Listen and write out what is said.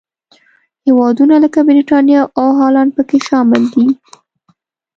هېوادونه لکه برېټانیا او هالنډ پکې شامل دي.